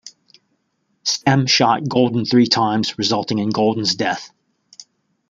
Stem shot Golden three times, resulting in Golden's death.